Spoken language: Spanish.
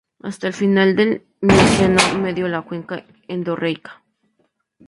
Hasta el final del Mioceno medio la cuenca endorreica.